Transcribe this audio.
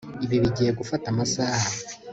Ibi bigiye gufata amasaha